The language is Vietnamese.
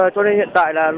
cho nên hiện tại là